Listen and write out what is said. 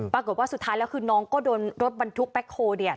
ปรากฏว่าสุดท้ายแล้วคือน้องก็โดนรถบรรทุกแบ็คโฮลเนี่ย